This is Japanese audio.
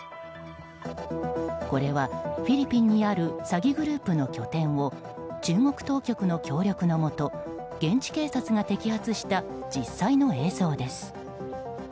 これは、フィリピンにある詐欺グループの拠点を中国当局の協力のもと現地警察が摘発した実際の映像です。